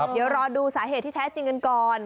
เดี๋ยวรอดูสาเหตุที่แท้จริงกันก่อน